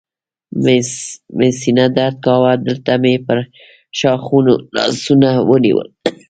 مې سینه درد کاوه، دلته مې پر ښاخونو لاسونه ونیول.